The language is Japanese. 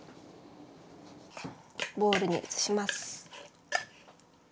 ボウルに移します。